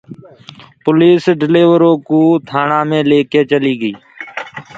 پوليٚس ڊليورو ڪو ٿآڻآ مي ليڪي چليٚ گئيٚ